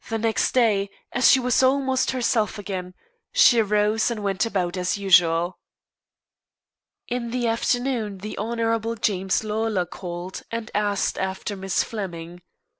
Next day, as she was almost herself again, she rose and went about as usual. In the afternoon the Hon. James Lawlor called and asked after Miss Flemming.